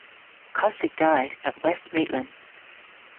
Cosstick died at West Maitland.